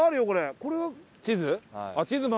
これは。